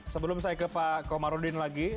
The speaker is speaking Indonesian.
sebelum saya ke pak komarudin lagi